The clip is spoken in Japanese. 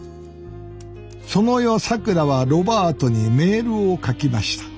その夜さくらはロバートにメールを書きました。